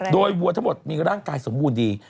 โดยวัวทั้งหมดมีร่างกายสมบูรณ์ดี